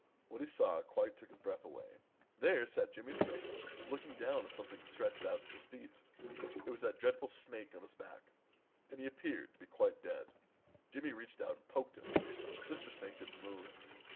What he saw quite took his breath away. There sat Jimmy Skunk looking down at something stretched out at his feet. It was that dreadful Snake on his back, and he appeared to be quite dead. Jimmy reached out and poked him, but Mr. Snake didn't move.